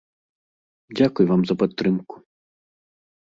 Дзякуй вам за падтрымку.